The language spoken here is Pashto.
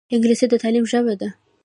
انګلیسي د تعلیم ژبه ده